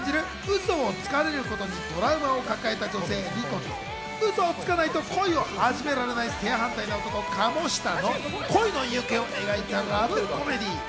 嘘をつかれることにトラウマを抱えた女性、莉子と嘘をつかないと恋を始められない正反対の男・鴨下の恋の行方を描いたラブコメディー。